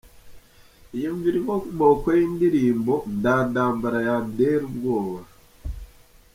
Iyumvire inkomoko y’indirimbo "Nda ndambara yandera ubwoba".